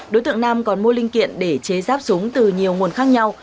đối tượng nam còn mua linh kiện để chế ráp súng từ nhiều nguồn khác nhau